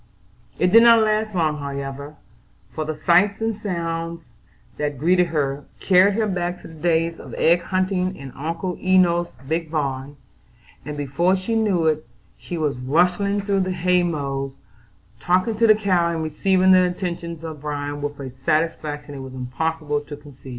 It did not last long, however, for the sights and sounds that greeted her, carried her back to the days of egg hunting in Uncle Enos's big barn; and, before she knew it, she was rustling through the hay mows, talking to the cow and receiving the attentions of Bran with a satisfaction it was impossible to conceal.